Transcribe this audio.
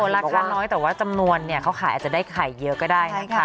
ราคาน้อยแต่ว่าจำนวนเนี่ยเขาขายอาจจะได้ไข่เยอะก็ได้นะคะ